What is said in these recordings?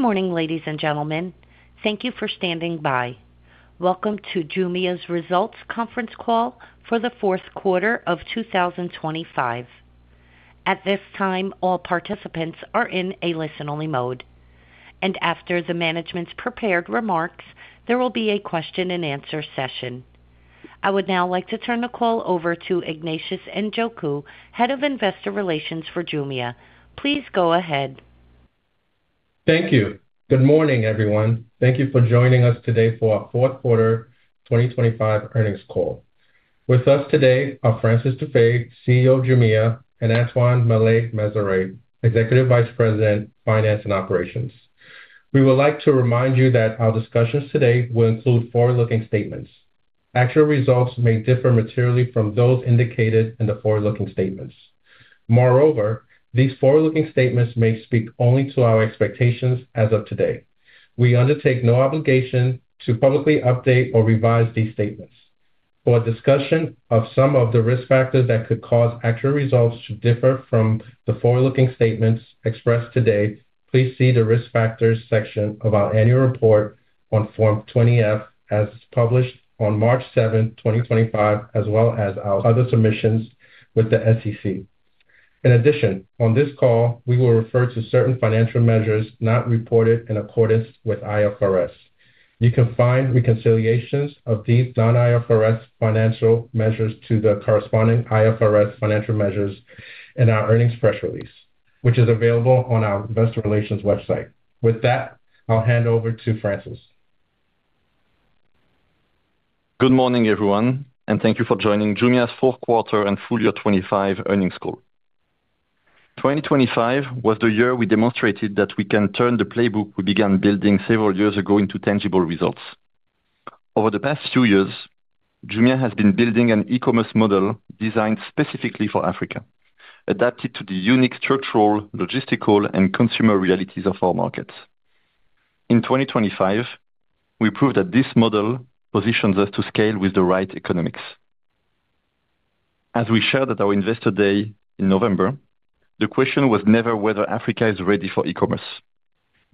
Good morning, ladies and gentlemen. Thank you for standing by. Welcome to Jumia's results conference call for the fourth quarter of 2025. At this time, all participants are in a listen-only mode, and after the management's prepared remarks, there will be a question-and-answer session. I would now like to turn the call over to Ignatius Njoku, head of investor relations for Jumia. Please go ahead. Thank you. Good morning, everyone. Thank you for joining us today for our fourth quarter 2025 earnings call. With us today are Francis Dufay, CEO of Jumia, and Antoine Maillet-Mezeray, Executive Vice President, Finance and Operations. We would like to remind you that our discussions today will include forward-looking statements. Actual results may differ materially from those indicated in the forward-looking statements. Moreover, these forward-looking statements may speak only to our expectations as of today. We undertake no obligation to publicly update or revise these statements. For a discussion of some of the risk factors that could cause actual results to differ from the forward-looking statements expressed today, please see the risk factors section of our annual report on Form 20-F as published on March 7, 2025, as well as our other submissions with the SEC. In addition, on this call, we will refer to certain financial measures not reported in accordance with IFRS. You can find reconciliations of these non-IFRS financial measures to the corresponding IFRS financial measures in our earnings press release, which is available on our investor relations website. With that, I'll hand over to Francis. Good morning, everyone, and thank you for joining Jumia's fourth quarter and full year 2025 earnings call. 2025 was the year we demonstrated that we can turn the playbook we began building several years ago into tangible results. Over the past few years, Jumia has been building an e-commerce model designed specifically for Africa, adapted to the unique structural, logistical, and consumer realities of our markets. In 2025, we proved that this model positions us to scale with the right economics. As we shared at our investor day in November, the question was never whether Africa is ready for e-commerce.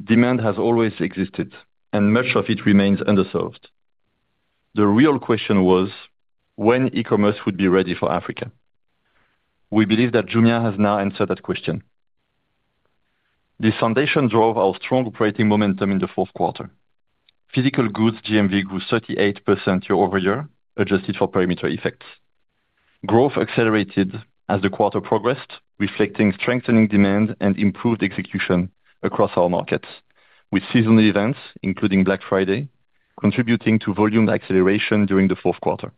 Demand has always existed, and much of it remains underserved. The real question was when e-commerce would be ready for Africa. We believe that Jumia has now answered that question. The foundation drove our strong operating momentum in the fourth quarter. Physical goods GMV grew 38% year-over-year, adjusted for perimeter effects. Growth accelerated as the quarter progressed, reflecting strengthening demand and improved execution across our markets, with seasonal events including Black Friday contributing to volume acceleration during the fourth quarter.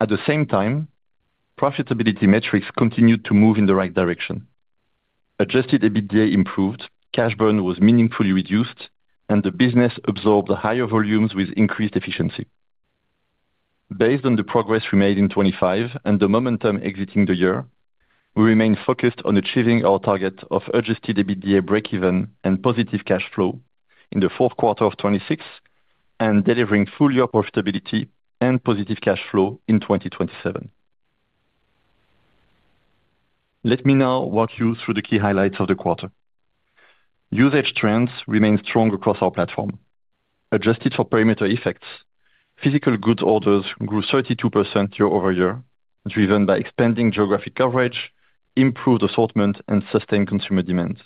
At the same time, profitability metrics continued to move in the right direction. Adjusted EBITDA improved, cash burn was meaningfully reduced, and the business absorbed higher volumes with increased efficiency. Based on the progress remained in 2025 and the momentum exiting the year, we remain focused on achieving our target of adjusted EBITDA break-even and positive cash flow in the fourth quarter of 2026 and delivering full year profitability and positive cash flow in 2027. Let me now walk you through the key highlights of the quarter. Usage trends remain strong across our platform. Adjusted for perimeter effects, physical goods orders grew 32% year-over-year, driven by expanding geographic coverage, improved assortment, and sustained consumer demand.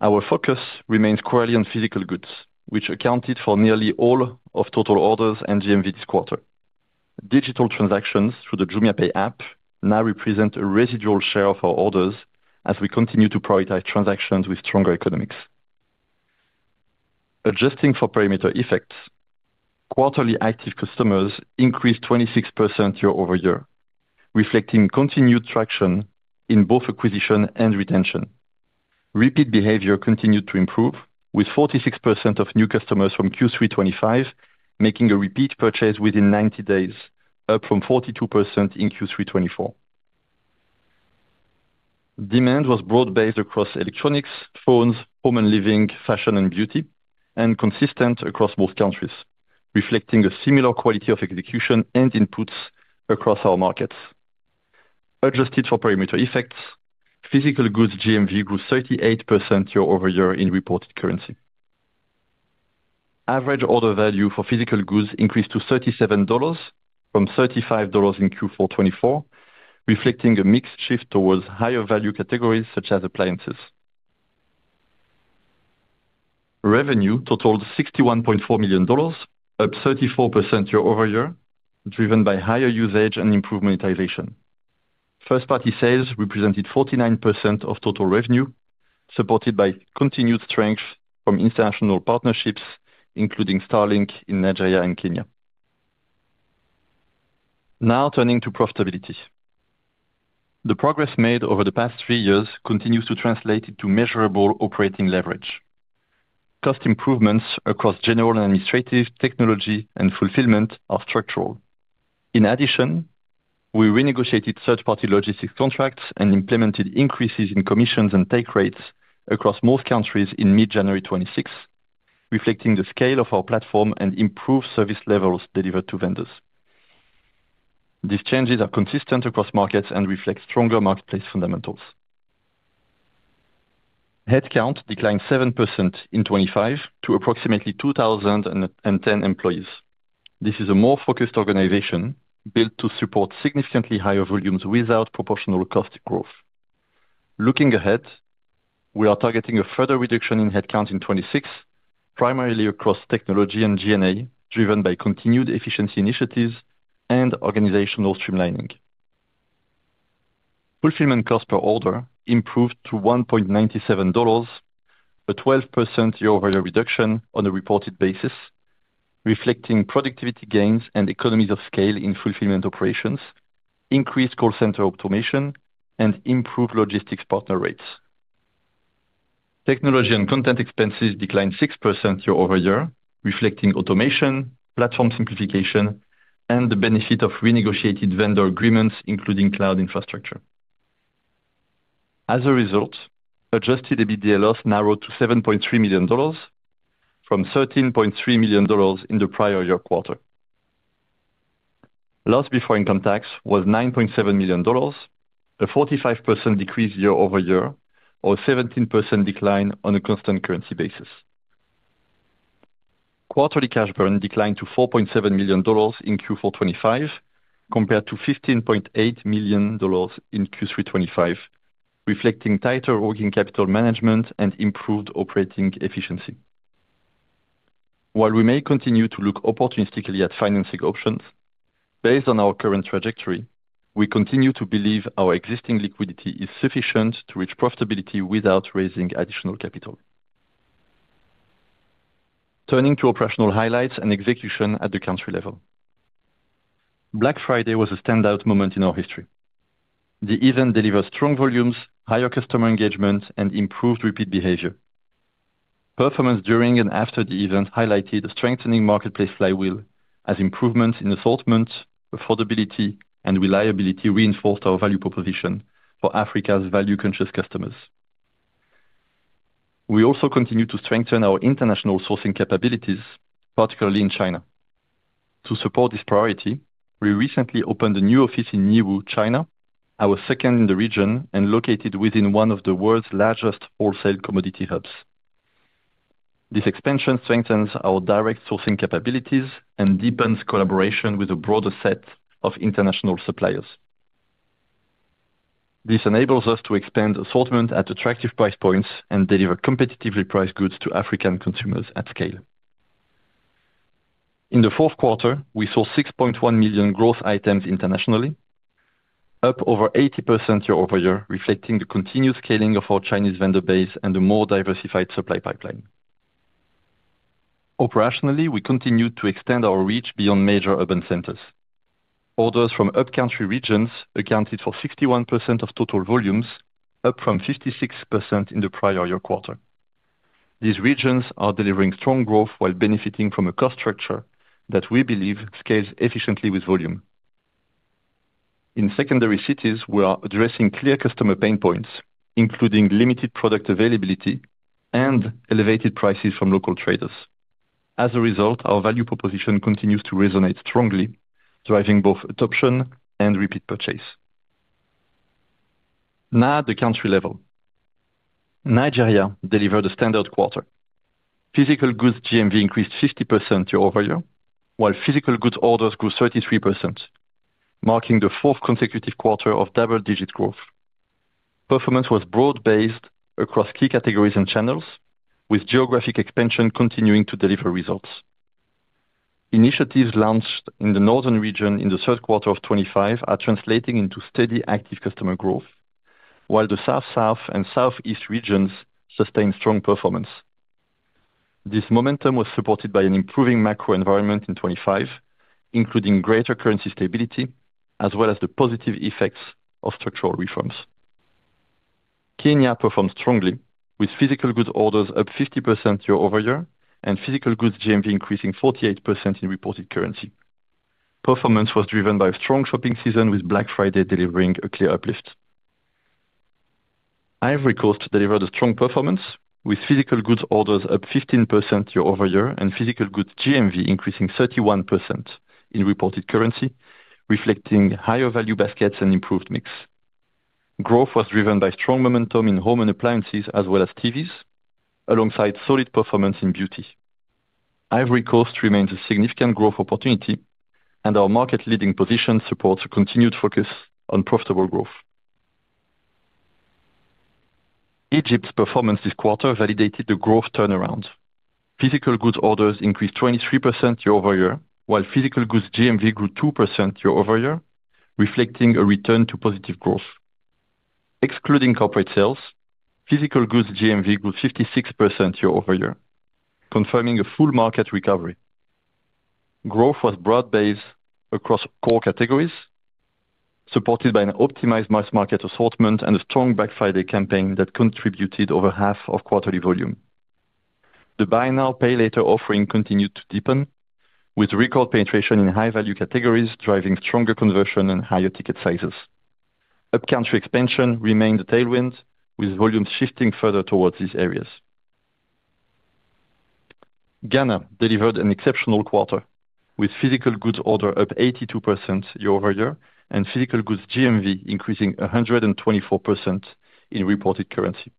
Our focus remains squarely on physical goods, which accounted for nearly all of total orders and GMV this quarter. Digital transactions through the JumiaPay app now represent a residual share of our orders as we continue to prioritize transactions with stronger economics. Adjusting for perimeter effects, quarterly active customers increased 26% year-over-year, reflecting continued traction in both acquisition and retention. Repeat behavior continued to improve, with 46% of new customers from Q3 2025 making a repeat purchase within 90 days, up from 42% in Q3 2024. Demand was broad-based across electronics, phones, home and living, fashion, and beauty, and consistent across both countries, reflecting a similar quality of execution and inputs across our markets. Adjusted for perimeter effects, physical goods GMV grew 38% year-over-year in reported currency. Average order value for physical goods increased to $37 from $35 in Q4 2024, reflecting a mixed shift towards higher value categories such as appliances. Revenue totaled $61.4 million, up 34% year-over-year, driven by higher usage and improved monetization. First-party sales represented 49% of total revenue, supported by continued strength from international partnerships including Starlink in Nigeria and Kenya. Now turning to profitability. The progress made over the past three years continues to translate into measurable operating leverage. Cost improvements across general and administrative, technology, and fulfillment are structural. In addition, we renegotiated third-party logistics contracts and implemented increases in commissions and take rates across most countries in mid-January 2026, reflecting the scale of our platform and improved service levels delivered to vendors. These changes are consistent across markets and reflect stronger marketplace fundamentals. Headcount declined 7% in 2025 to approximately 2,010 employees. This is a more focused organization built to support significantly higher volumes without proportional cost growth. Looking ahead, we are targeting a further reduction in headcount in 2026, primarily across technology and G&A, driven by continued efficiency initiatives and organizational streamlining. Fulfillment cost per order improved to $1.97, a 12% year-over-year reduction on a reported basis, reflecting productivity gains and economies of scale in fulfillment operations, increased call center automation, and improved logistics partner rates. Technology and content expenses declined 6% year-over-year, reflecting automation, platform simplification, and the benefit of renegotiated vendor agreements including cloud infrastructure. As a result, Adjusted EBITDA loss narrowed to $7.3 million from $13.3 million in the prior year quarter. Loss before income tax was $9.7 million, a 45% decrease year-over-year or 17% decline on a constant currency basis. Quarterly cash burn declined to $4.7 million in Q4 2025 compared to $15.8 million in Q3 2025, reflecting tighter working capital management and improved operating efficiency. While we may continue to look opportunistically at financing options, based on our current trajectory, we continue to believe our existing liquidity is sufficient to reach profitability without raising additional capital. Turning to operational highlights and execution at the country level. Black Friday was a standout moment in our history. The event delivered strong volumes, higher customer engagement, and improved repeat behavior. Performance during and after the event highlighted a strengthening marketplace flywheel, as improvements in assortment, affordability, and reliability reinforced our value proposition for Africa's value-conscious customers. We also continue to strengthen our international sourcing capabilities, particularly in China. To support this priority, we recently opened a new office in Yiwu, China, our second in the region and located within one of the world's largest wholesale commodity hubs. This expansion strengthens our direct sourcing capabilities and deepens collaboration with a broader set of international suppliers. This enables us to expand assortment at attractive price points and deliver competitively priced goods to African consumers at scale. In the fourth quarter, we saw 6.1 million growth items internationally, up over 80% year-over-year, reflecting the continued scaling of our Chinese vendor base and a more diversified supply pipeline. Operationally, we continued to extend our reach beyond major urban centers. Orders from up-country regions accounted for 61% of total volumes, up from 56% in the prior year quarter. These regions are delivering strong growth while benefiting from a cost structure that we believe scales efficiently with volume. In secondary cities, we are addressing clear customer pain points, including limited product availability and elevated prices from local traders. As a result, our value proposition continues to resonate strongly, driving both adoption and repeat purchase. Now at the country level. Nigeria delivered a standard quarter. Physical goods GMV increased 50% year-over-year, while physical goods orders grew 33%, marking the fourth consecutive quarter of double-digit growth. Performance was broad-based across key categories and channels, with geographic expansion continuing to deliver results. Initiatives launched in the northern region in the third quarter of 2025 are translating into steady active customer growth, while the South-South and Southeast regions sustain strong performance. This momentum was supported by an improving macro environment in 2025, including greater currency stability as well as the positive effects of structural reforms. Kenya performed strongly, with physical goods orders up 50% year-over-year and physical goods GMV increasing 48% in reported currency. Performance was driven by a strong shopping season, with Black Friday delivering a clear uplift. Ivory Coast delivered a strong performance, with physical goods orders up 15% year-over-year and physical goods GMV increasing 31% in reported currency, reflecting higher value baskets and improved mix. Growth was driven by strong momentum in home and appliances as well as TVs, alongside solid performance in beauty. Ivory Coast remains a significant growth opportunity, and our market-leading position supports a continued focus on profitable growth. Egypt's performance this quarter validated the growth turnaround. Physical goods orders increased 23% year-over-year, while physical goods GMV grew 2% year-over-year, reflecting a return to positive growth. Excluding corporate sales, physical goods GMV grew 56% year-over-year, confirming a full market recovery. Growth was broad-based across core categories, supported by an optimized mass market assortment and a strong Black Friday campaign that contributed over half of quarterly volume. The buy-now-pay-later offering continued to deepen, with record penetration in high-value categories driving stronger conversion and higher ticket sizes. Up-country expansion remained a tailwind, with volumes shifting further towards these areas. Ghana delivered an exceptional quarter, with physical goods order up 82% year-over-year and physical goods GMV increasing 124% in reported currency.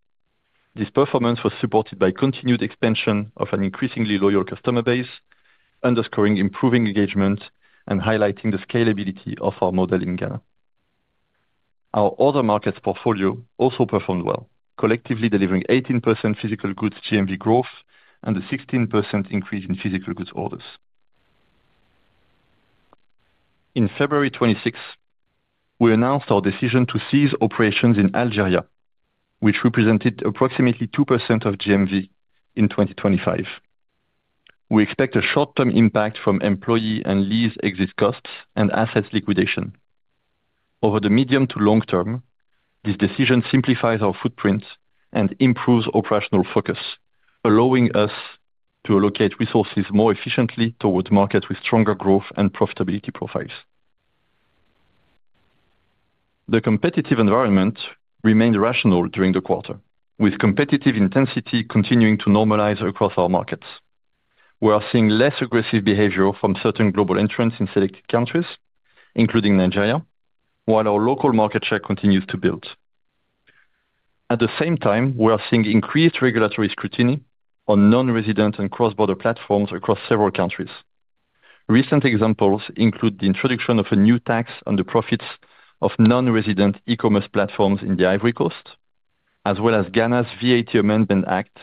This performance was supported by continued expansion of an increasingly loyal customer base, underscoring improving engagement and highlighting the scalability of our model in Ghana. Our other markets portfolio also performed well, collectively delivering 18% physical goods GMV growth and a 16% increase in physical goods orders. In February 2026, we announced our decision to cease operations in Algeria, which represented approximately 2% of GMV in 2025. We expect a short-term impact from employee and lease exit costs and assets liquidation. Over the medium to long term, this decision simplifies our footprint and improves operational focus, allowing us to allocate resources more efficiently towards markets with stronger growth and profitability profiles. The competitive environment remained rational during the quarter, with competitive intensity continuing to normalize across our markets. We are seeing less aggressive behavior from certain global entrants in selected countries, including Nigeria, while our local market share continues to build. At the same time, we are seeing increased regulatory scrutiny on non-resident and cross-border platforms across several countries. Recent examples include the introduction of a new tax on the profits of non-resident e-commerce platforms in the Ivory Coast, as well as Ghana's VAT Amendment Act,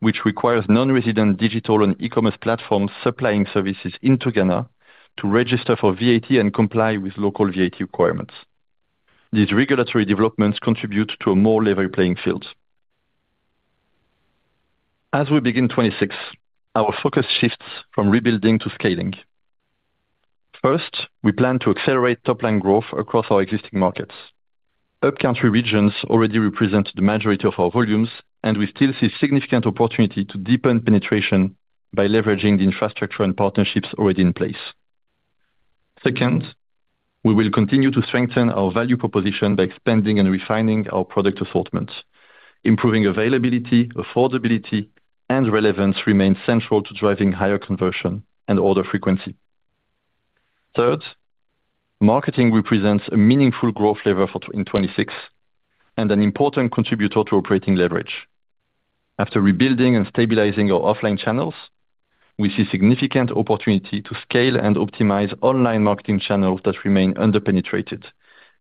which requires non-resident digital and e-commerce platforms supplying services into Ghana to register for VAT and comply with local VAT requirements. These regulatory developments contribute to a more level playing field. As we begin 2026, our focus shifts from rebuilding to scaling. First, we plan to accelerate top-line growth across our existing markets. Up-country regions already represent the majority of our volumes, and we still see significant opportunity to deepen penetration by leveraging the infrastructure and partnerships already in place. Second, we will continue to strengthen our value proposition by expanding and refining our product assortment. Improving availability, affordability, and relevance remain central to driving higher conversion and order frequency. Third, marketing represents a meaningful growth lever in 2026 and an important contributor to operating leverage. After rebuilding and stabilizing our offline channels, we see significant opportunity to scale and optimize online marketing channels that remain under-penetrated,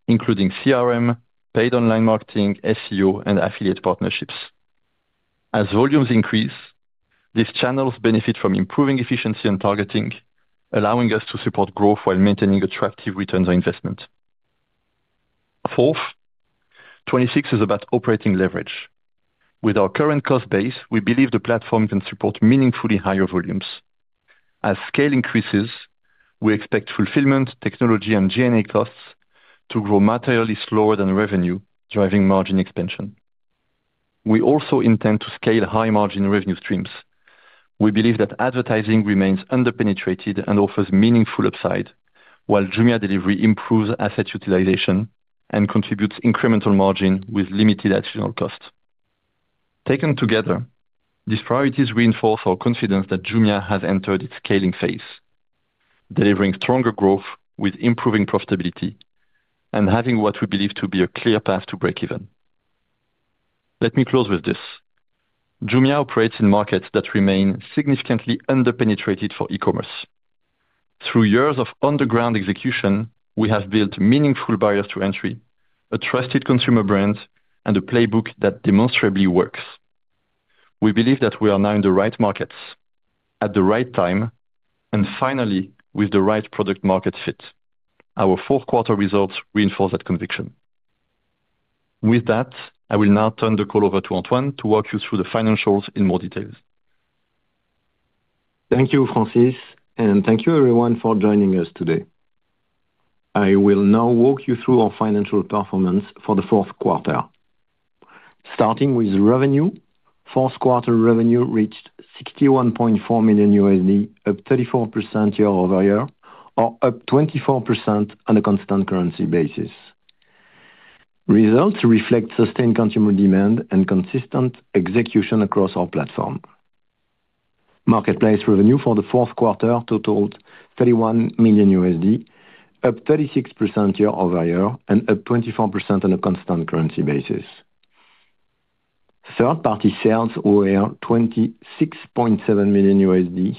including CRM, paid online marketing, SEO, and affiliate partnerships. As volumes increase, these channels benefit from improving efficiency and targeting, allowing us to support growth while maintaining attractive returns on investment. Fourth, 2026 is about operating leverage. With our current cost base, we believe the platform can support meaningfully higher volumes. As scale increases, we expect fulfillment, technology, and G&A costs to grow materially slower than revenue, driving margin expansion. We also intend to scale high-margin revenue streams. We believe that advertising remains under-penetrated and offers meaningful upside, while Jumia Delivery improves asset utilization and contributes incremental margin with limited additional costs. Taken together, these priorities reinforce our confidence that Jumia has entered its scaling phase, delivering stronger growth with improving profitability and having what we believe to be a clear path to break even. Let me close with this: Jumia operates in markets that remain significantly under-penetrated for e-commerce. Through years of on-the-ground execution, we have built meaningful barriers to entry, a trusted consumer brand, and a playbook that demonstrably works. We believe that we are now in the right markets, at the right time, and finally with the right product-market fit. Our fourth quarter results reinforce that conviction. With that, I will now turn the call over to Antoine to walk you through the financials in more details. Thank you, Francis, and thank you everyone for joining us today. I will now walk you through our financial performance for the fourth quarter. Starting with revenue, fourth quarter revenue reached $61.4 million, up 34% year-over-year, or up 24% on a constant currency basis. Results reflect sustained consumer demand and consistent execution across our platform. Marketplace revenue for the fourth quarter totaled $31 million, up 36% year-over-year and up 24% on a constant currency basis. Third-party sales were $26.7 million,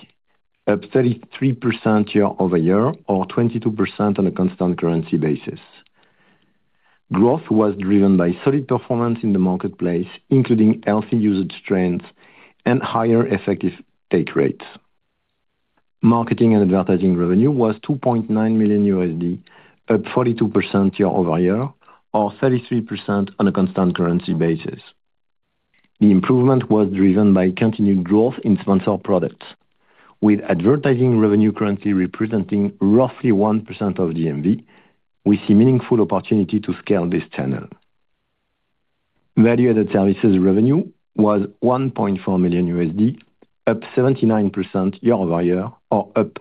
up 33% year-over-year or 22% on a constant currency basis. Growth was driven by solid performance in the marketplace, including healthy usage trends and higher effective take rates. Marketing and advertising revenue was $2.9 million, up 42% year-over-year or 33% on a constant currency basis. The improvement was driven by continued growth in Sponsored Products. With advertising revenue currently representing roughly 1% of GMV, we see meaningful opportunity to scale this channel. Value-added services revenue was $1.4 million, up 79% year-over-year or up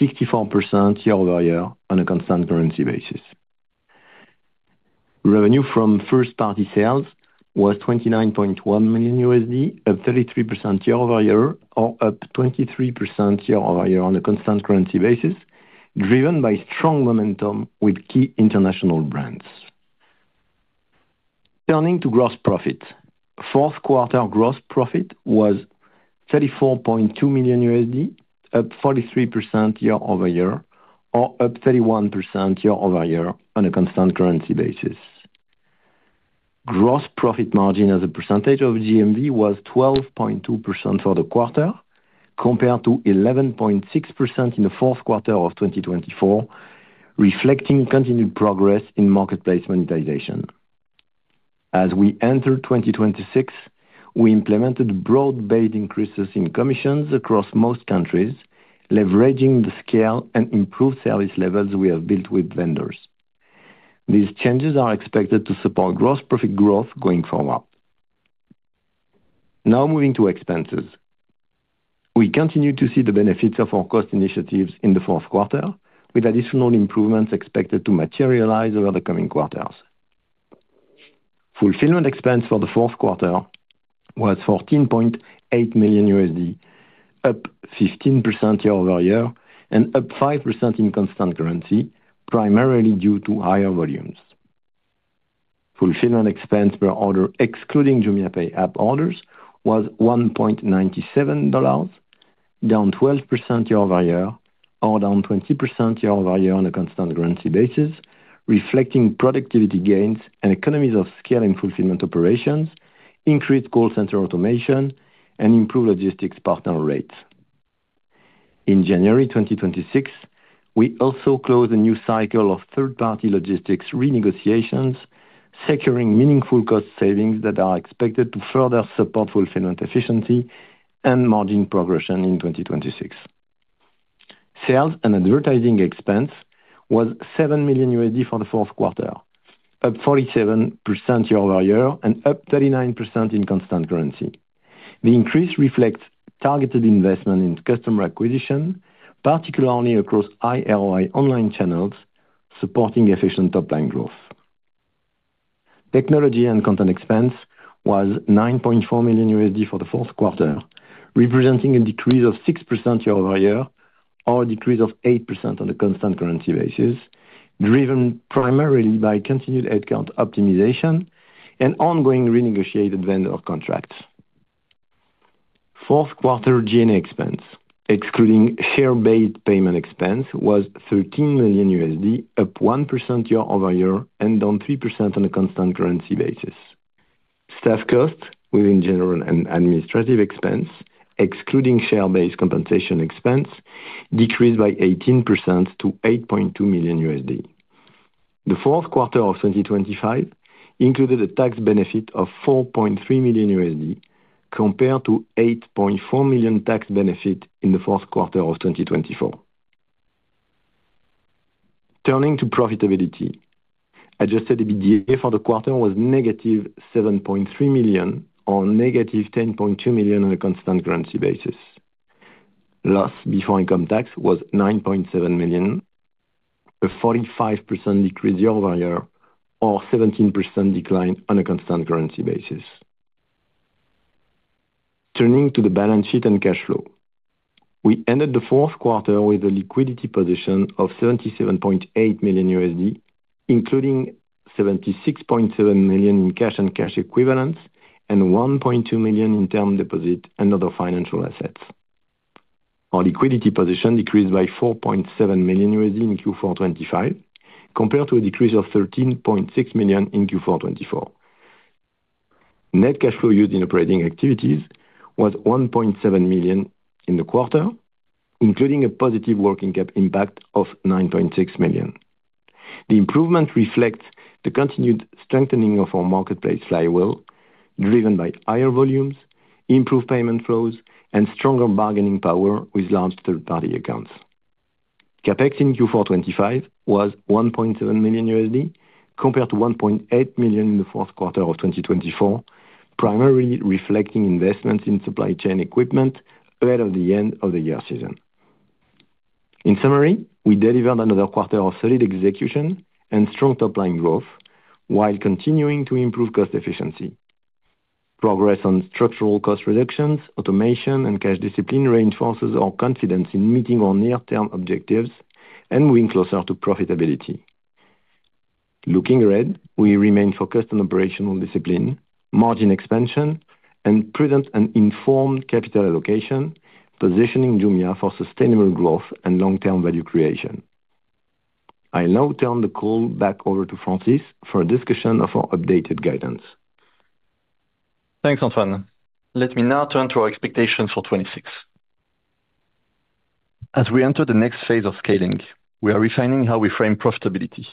64% year-over-year on a constant currency basis. Revenue from first-party sales was $29.1 million, up 33% year-over-year or up 23% year-over-year on a constant currency basis, driven by strong momentum with key international brands. Turning to gross profit, fourth quarter gross profit was $34.2 million, up 43% year-over-year or up 31% year-over-year on a constant currency basis. Gross profit margin as a percentage of GMV was 12.2% for the quarter, compared to 11.6% in the fourth quarter of 2024, reflecting continued progress in marketplace monetization. As we entered 2026, we implemented broad-based increases in commissions across most countries, leveraging the scale and improved service levels we have built with vendors. These changes are expected to support gross profit growth going forward. Now moving to expenses. We continue to see the benefits of our cost initiatives in the fourth quarter, with additional improvements expected to materialize over the coming quarters. Fulfillment expense for the fourth quarter was $14.8 million, up 15% year-over-year and up 5% in constant currency, primarily due to higher volumes. Fulfillment expense per order, excluding Jumia Pay app orders, was $1.97, down 12% year-over-year or down 20% year-over-year on a constant currency basis, reflecting productivity gains and economies of scale in fulfillment operations, increased call center automation, and improved logistics partner rates. In January 2026, we also closed a new cycle of third-party logistics renegotiations, securing meaningful cost savings that are expected to further support fulfillment efficiency and margin progression in 2026. Sales and advertising expense was $7 million for the fourth quarter, up 47% year over year and up 39% in constant currency. The increase reflects targeted investment in customer acquisition, particularly across high ROI online channels, supporting efficient top-line growth. Technology and content expense was $9.4 million for the fourth quarter, representing a decrease of 6% year over year or a decrease of 8% on a constant currency basis, driven primarily by continued headcount optimization and ongoing renegotiated vendor contracts. Fourth quarter G&A expense, excluding share-based payment expense, was $13 million, up 1% year-over-year and down 3% on a constant currency basis. Staff costs, within general and administrative expense, excluding share-based compensation expense, decreased by 18% to $8.2 million. The fourth quarter of 2025 included a tax benefit of $4.3 million, compared to $8.4 million tax benefit in the fourth quarter of 2024. Turning to profitability, Adjusted EBITDA for the quarter was -$7.3 million or $-10.2 million on a constant currency basis. Loss before income tax was $-9.7 million, a 45% decrease year-over-year or 17% decline on a constant currency basis. Turning to the balance sheet and cash flow, we ended the fourth quarter with a liquidity position of $77.8 million, including $76.7 million in cash and cash equivalents and $1.2 million in term deposit and other financial assets. Our liquidity position decreased by $4.7 million in Q4 2025, compared to a decrease of $13.6 million in Q4 2024. Net cash flow used in operating activities was $1.7 million in the quarter, including a positive working cap impact of $9.6 million. The improvements reflect the continued strengthening of our marketplace flywheel, driven by higher volumes, improved payment flows, and stronger bargaining power with large third-party accounts. CapEx in Q4 2025 was $1.7 million, compared to $1.8 million in the fourth quarter of 2024, primarily reflecting investments in supply chain equipment ahead of the end of the year season. In summary, we delivered another quarter of solid execution and strong top-line growth while continuing to improve cost efficiency. Progress on structural cost reductions, automation, and cash discipline reinforces our confidence in meeting our near-term objectives and moving closer to profitability. Looking ahead, we remain focused on operational discipline, margin expansion, and prudent and informed capital allocation, positioning Jumia for sustainable growth and long-term value creation. I now turn the call back over to Francis for a discussion of our updated guidance. Thanks, Antoine. Let me now turn to our expectations for 2026. As we enter the next phase of scaling, we are refining how we frame profitability.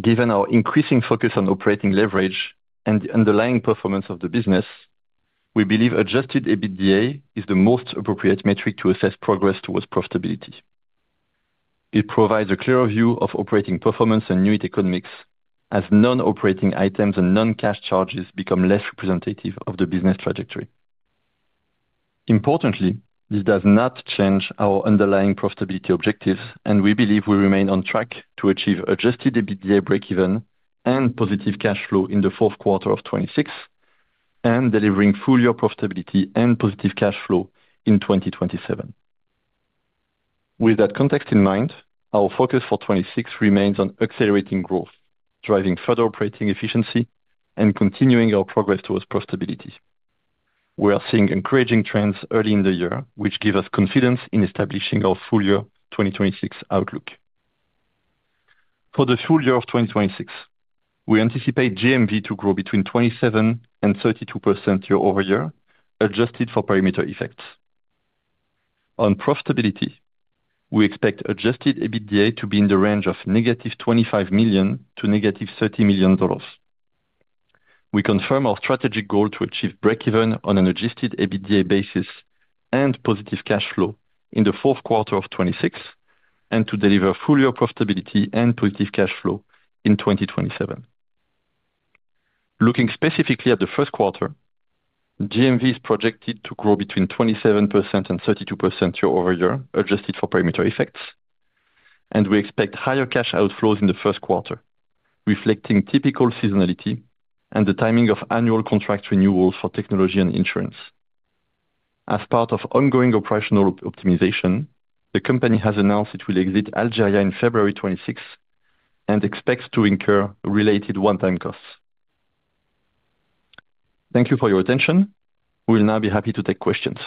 Given our increasing focus on operating leverage and the underlying performance of the business, we believe Adjusted EBITDA is the most appropriate metric to assess progress towards profitability. It provides a clearer view of operating performance and unit economics as non-operating items and non-cash charges become less representative of the business trajectory. Importantly, this does not change our underlying profitability objectives, and we believe we remain on track to achieve Adjusted EBITDA break-even and positive cash flow in the fourth quarter of 2026, and delivering full-year profitability and positive cash flow in 2027. With that context in mind, our focus for 2026 remains on accelerating growth, driving further operating efficiency, and continuing our progress towards profitability. We are seeing encouraging trends early in the year, which give us confidence in establishing our full-year 2026 outlook. For the full year of 2026, we anticipate GMV to grow between 27%-32% year-over-year, adjusted for perimeter effects. On profitability, we expect adjusted EBITDA to be in the range of $-25 million-$30 million. We confirm our strategic goal to achieve break-even on an adjusted EBITDA basis and positive cash flow in the fourth quarter of 2026, and to deliver full-year profitability and positive cash flow in 2027. Looking specifically at the first quarter, GMV is projected to grow between 27%-32% year-over-year, adjusted for perimeter effects, and we expect higher cash outflows in the first quarter, reflecting typical seasonality and the timing of annual contract renewals for technology and insurance. As part of ongoing operational optimization, the company has announced it will exit Algeria in February 2026 and expects to incur related one-time costs. Thank you for your attention. We will now be happy to take questions.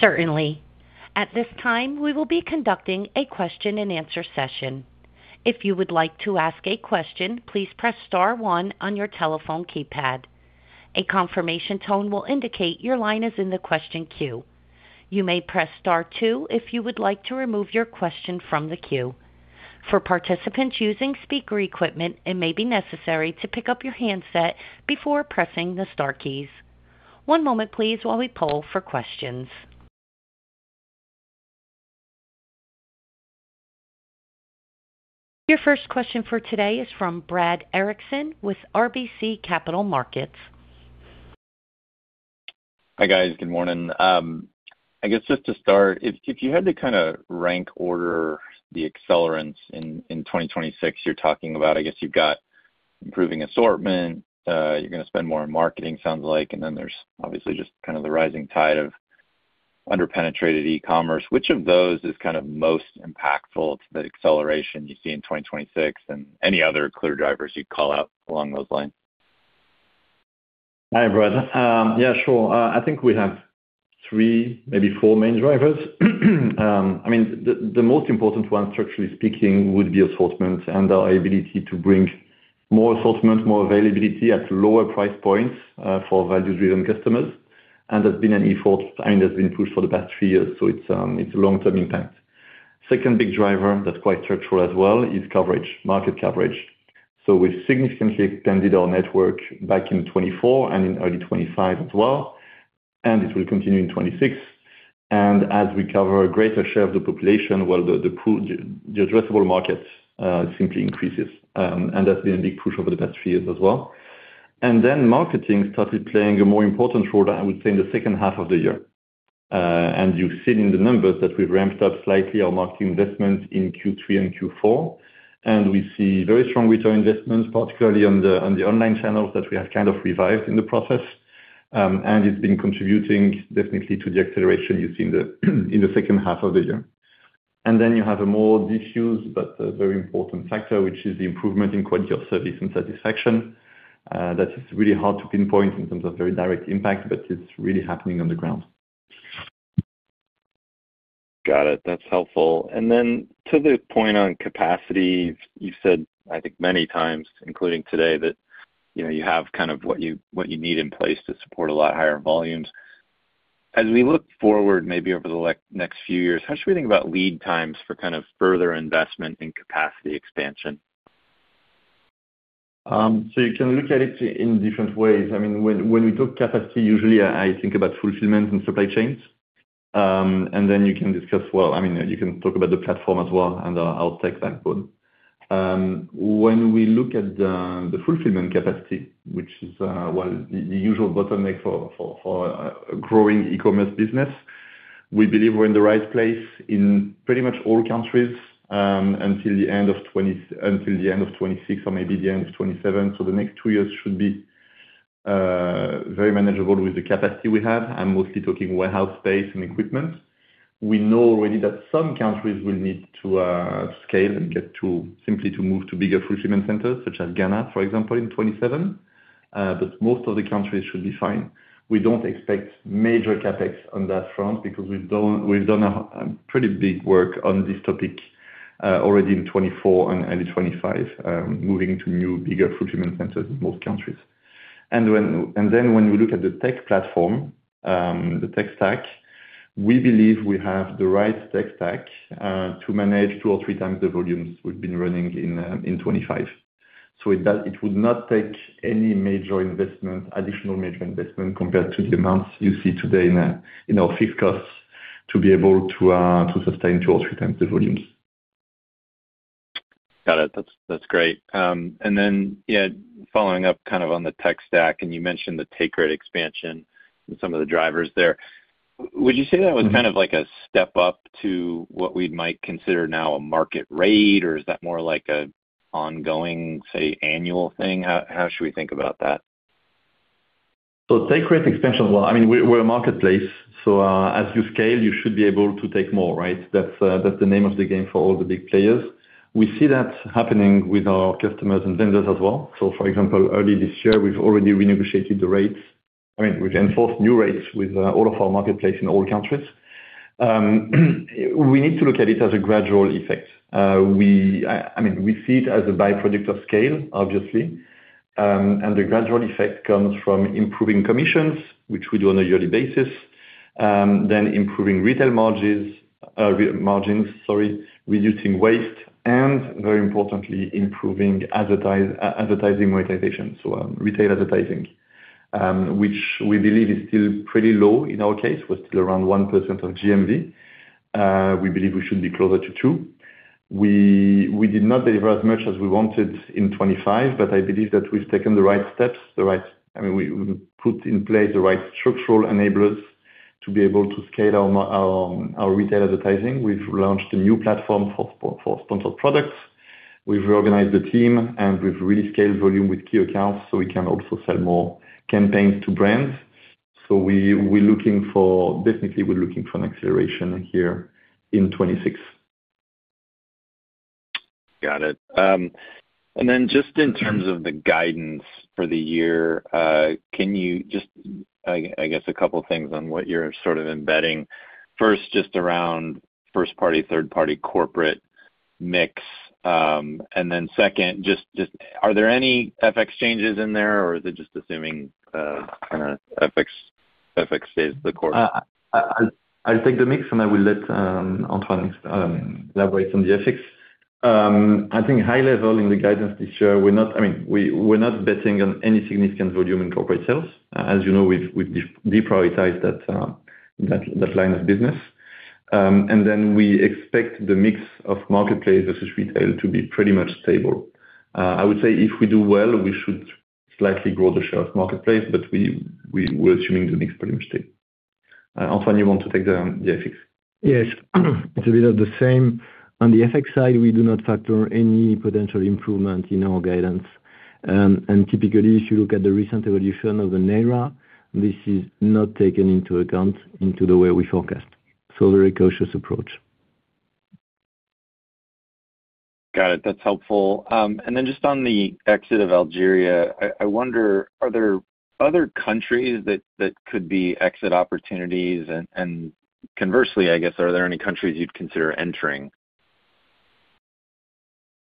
Certainly. At this time, we will be conducting a question-and-answer session. If you would like to ask a question, please press star one on your telephone keypad. A confirmation tone will indicate your line is in the question queue. You may press star two if you would like to remove your question from the queue. For participants using speaker equipment, it may be necessary to pick up your handset before pressing the star keys. One moment, please, while we pull for questions. Your first question for today is from Brad Erickson with RBC Capital Markets. Hi guys. Good morning. I guess just to start, if you had to kind of rank order the accelerants in 2026 you're talking about, I guess you've got improving assortment, you're going to spend more on marketing, sounds like, and then there's obviously just kind of the rising tide of under-penetrated e-commerce. Which of those is kind of most impactful to the acceleration you see in 2026 and any other clear drivers you'd call out along those lines? Hi, Brad. Yeah, sure. I think we have three, maybe four main drivers. I mean, the most important one, structurally speaking, would be assortment and our ability to bring more assortment, more availability at lower price points for value-driven customers. And that's been an effort. I mean, that's been pushed for the past three years, so it's a long-term impact. Second big driver that's quite structural as well is coverage, market coverage. So we've significantly expanded our network back in 2024 and in early 2025 as well, and it will continue in 2026. And as we cover a greater share of the population, well, the addressable market simply increases. And that's been a big push over the past three years as well. And then marketing started playing a more important role, I would say, in the second half of the year. You've seen in the numbers that we've ramped up slightly our marketing investments in Q3 and Q4, and we see very strong return investments, particularly on the online channels that we have kind of revived in the process. It's been contributing definitely to the acceleration you see in the second half of the year. Then you have a more diffuse but very important factor, which is the improvement in quality of service and satisfaction. That is really hard to pinpoint in terms of very direct impact, but it's really happening on the ground. Got it. That's helpful. And then to the point on capacity, you've said, I think, many times, including today, that you have kind of what you need in place to support a lot higher volumes. As we look forward, maybe over the next few years, how should we think about lead times for kind of further investment in capacity expansion? So you can look at it in different ways. I mean, when we talk capacity, usually I think about fulfillment and supply chains. And then you can discuss well, I mean, you can talk about the platform as well and our tech backbone. When we look at the fulfillment capacity, which is, well, the usual bottleneck for a growing e-commerce business, we believe we're in the right place in pretty much all countries until the end of 2026 or maybe the end of 2027. So the next two years should be very manageable with the capacity we have. I'm mostly talking warehouse space and equipment. We know already that some countries will need to scale and get to simply to move to bigger fulfillment centers, such as Ghana, for example, in 2027. But most of the countries should be fine. We don't expect major CapEx on that front because we've done pretty big work on this topic already in 2024 and 2025, moving to new, bigger fulfillment centers in most countries. And then when you look at the tech platform, the tech stack, we believe we have the right tech stack to manage two or three times the volumes we've been running in 2025. So it would not take any major investment, additional major investment, compared to the amounts you see today in our fixed costs to be able to sustain two or three times the volumes. Got it. That's great. Then, yeah, following up kind of on the tech stack, and you mentioned the take rate expansion and some of the drivers there. Would you say that was kind of like a step up to what we might consider now a market rate, or is that more like an ongoing, say, annual thing? How should we think about that? So, take rate expansion. Well, I mean, we're a marketplace, so as you scale, you should be able to take more, right? That's the name of the game for all the big players. We see that happening with our customers and vendors as well. So, for example, early this year, we've already renegotiated the rates. I mean, we've enforced new rates with all of our marketplace in all countries. We need to look at it as a gradual effect. I mean, we see it as a byproduct of scale, obviously. And the gradual effect comes from improving commissions, which we do on a yearly basis, then improving retail margins—sorry, reducing waste—and very importantly, improving advertising monetization, so retail advertising, which we believe is still pretty low in our case. We're still around 1% of GMV. We believe we should be closer to 2%. We did not deliver as much as we wanted in 2025, but I believe that we've taken the right steps, the right I mean, we put in place the right structural enablers to be able to scale our retail advertising. We've launched a new platform for sponsored products. We've reorganized the team, and we've really scaled volume with key accounts so we can also sell more campaigns to brands. So we're looking for definitely, we're looking for an acceleration here in 2026. Got it. And then, just in terms of the guidance for the year, can you just, I guess, a couple of things on what you're sort of embedding. First, just around first-party, third-party, corporate mix. And then second, just are there any FX changes in there, or is it just assuming kind of FX stays the core? I think the mix, and I will let Antoine elaborate on the FX. I think high-level in the guidance this year, we're not, I mean, we're not betting on any significant volume in corporate sales. As you know, we've deprioritized that line of business. And then we expect the mix of marketplace versus retail to be pretty much stable. I would say if we do well, we should slightly grow the share of marketplace, but we're assuming the mix pretty much stays. Antoine, you want to take the FX? Yes. It's a bit of the same. On the FX side, we do not factor any potential improvement in our guidance. Typically, if you look at the recent evolution of the naira, this is not taken into account in the way we forecast. Very cautious approach. Got it. That's helpful. And then just on the exit of Algeria, I wonder, are there other countries that could be exit opportunities? And conversely, I guess, are there any countries you'd consider entering?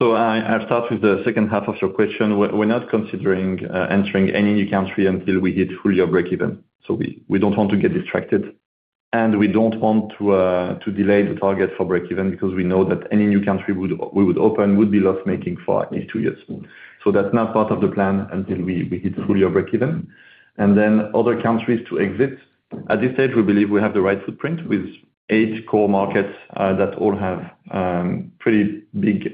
I'll start with the second half of your question. We're not considering entering any new country until we hit full-year break-even. We don't want to get distracted. We don't want to delay the target for break-even because we know that any new country we would open would be loss-making for at least two years. That's not part of the plan until we hit full-year break-even. Then other countries to exit. At this stage, we believe we have the right footprint with eight core markets that all have pretty big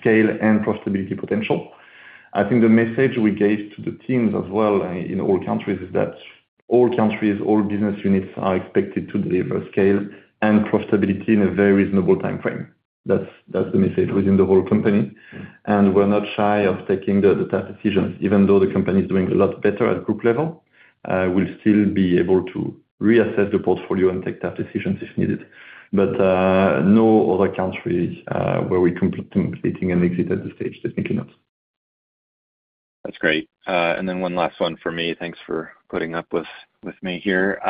scale and profitability potential. I think the message we gave to the teams as well in all countries is that all countries, all business units are expected to deliver scale and profitability in a very reasonable time frame. That's the message within the whole company. We're not shy of taking the tough decisions. Even though the company is doing a lot better at group level, we'll still be able to reassess the portfolio and take tough decisions if needed. No other country where we're completing an exit at this stage. Definitely not. That's great. And then one last one for me. Thanks for putting up with me here.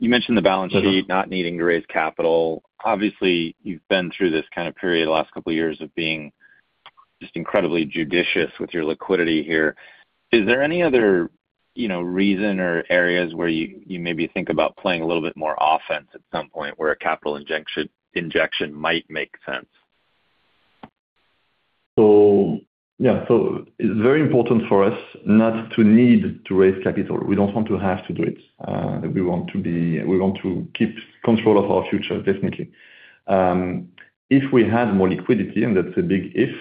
You mentioned the balance sheet, not needing to raise capital. Obviously, you've been through this kind of period the last couple of years of being just incredibly judicious with your liquidity here. Is there any other reason or areas where you maybe think about playing a little bit more offense at some point where a capital injection might make sense? So yeah. It's very important for us not to need to raise capital. We don't want to have to do it. We want to be we want to keep control of our future, definitely. If we had more liquidity, and that's a big if,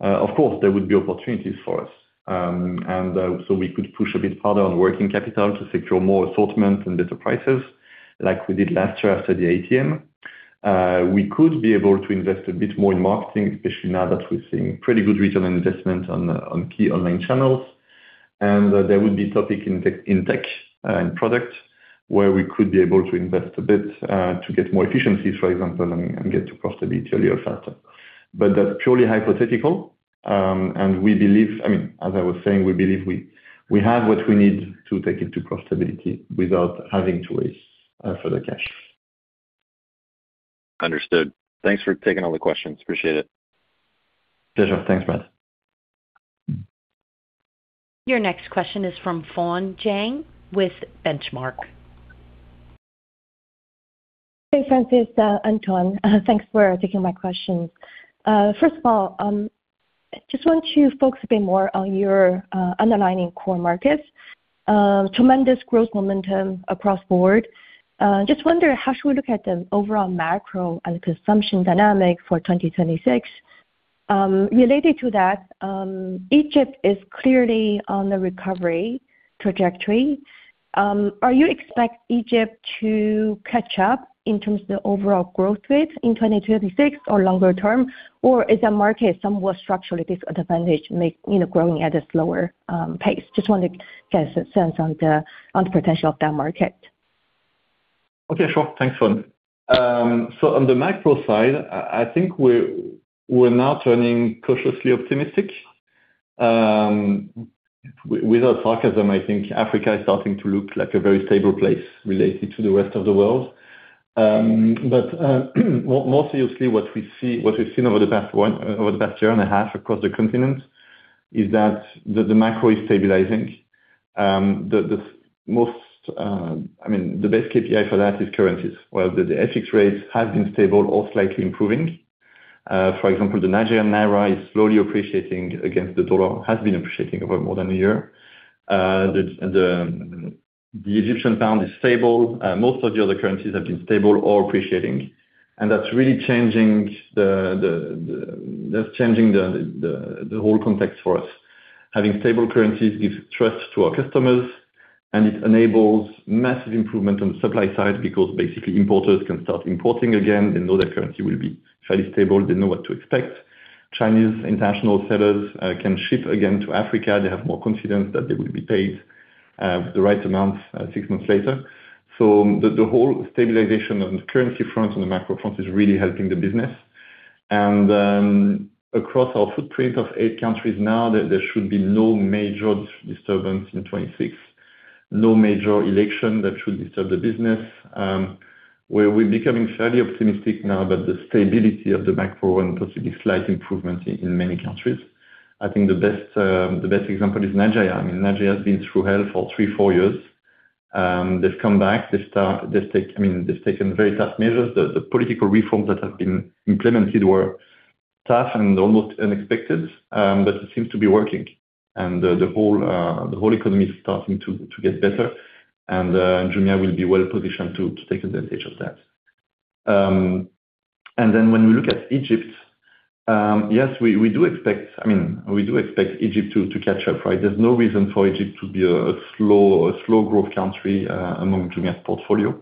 of course, there would be opportunities for us. So we could push a bit farther on working capital to secure more assortment and better prices like we did last year after the ATM. We could be able to invest a bit more in marketing, especially now that we're seeing pretty good return on investment on key online channels. And there would be topic in tech and product where we could be able to invest a bit to get more efficiencies, for example, and get to profitability a little faster. But that's purely hypothetical. We believe I mean, as I was saying, we believe we have what we need to take it to profitability without having to raise further cash. Understood. Thanks for taking all the questions. Appreciate it. Pleasure. Thanks, Brad. Your next question is from Fawn Jiang with Benchmark. Hey, Francis, Antoine. Thanks for taking my questions. First of all, I just want to focus a bit more on your underlying core markets. Tremendous growth momentum across the board. Just wonder, how should we look at the overall macro and consumption dynamic for 2026? Related to that, Egypt is clearly on a recovery trajectory. Are you expecting Egypt to catch up in terms of the overall growth rate in 2026 or longer term, or is the market somewhat structurally disadvantaged, growing at a slower pace? Just want to get a sense on the potential of that market. Okay, sure. Thanks, Fawn. So on the macro side, I think we're now turning cautiously optimistic. Without sarcasm, I think Africa is starting to look like a very stable place related to the rest of the world. But more seriously, what we've seen over the past year and a half across the continent is that the macro is stabilizing. I mean, the best KPI for that is currencies. Well, the FX rates have been stable or slightly improving. For example, the Nigerian naira is slowly appreciating against the dollar, has been appreciating over more than a year. The Egyptian pound is stable. Most of the other currencies have been stable or appreciating. And that's really changing the whole context for us. Having stable currencies gives trust to our customers, and it enables massive improvement on the supply side because basically, importers can start importing again. They know their currency will be fairly stable. They know what to expect. Chinese international sellers can ship again to Africa. They have more confidence that they will be paid the right amount six months later. So the whole stabilization on the currency front and the macro front is really helping the business. And across our footprint of eight countries now, there should be no major disturbance in 2026, no major election that should disturb the business. We're becoming fairly optimistic now about the stability of the macro and possibly slight improvement in many countries. I think the best example is Nigeria. I mean, Nigeria has been through hell for three, four years. They've come back. They've taken very tough measures. The political reforms that have been implemented were tough and almost unexpected, but it seems to be working. And the whole economy is starting to get better. Jumia will be well positioned to take advantage of that. And then when we look at Egypt, yes, we do expect I mean, we do expect Egypt to catch up, right? There's no reason for Egypt to be a slow growth country among Jumia's portfolio.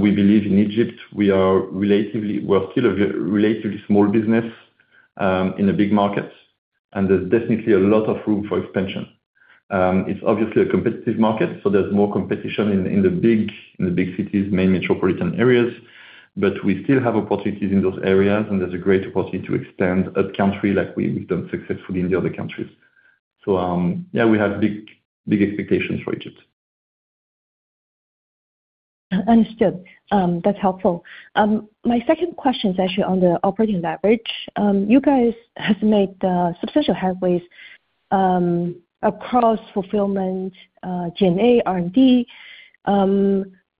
We believe in Egypt, we're still a relatively small business in a big market, and there's definitely a lot of room for expansion. It's obviously a competitive market, so there's more competition in the big cities, main metropolitan areas. But we still have opportunities in those areas, and there's a great opportunity to expand a country like we've done successfully in the other countries. So yeah, we have big expectations for Egypt. Understood. That's helpful. My second question is actually on the operating leverage. You guys have made substantial headways across fulfillment, G&A, R&D.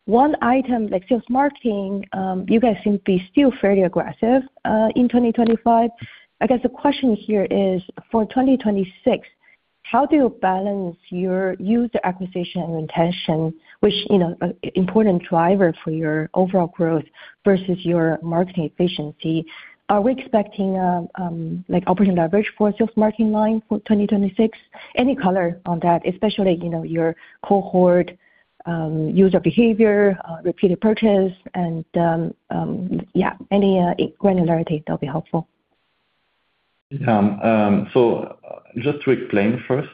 One item, like sales marketing, you guys seem to be still fairly aggressive in 2025. I guess the question here is, for 2026, how do you balance your user acquisition and retention, which is an important driver for your overall growth versus your marketing efficiency? Are we expecting operating leverage for a sales marketing line for 2026? Any color on that, especially your cohort user behavior, repeated purchase, and yeah, any granularity, that'll be helpful. So just to explain first,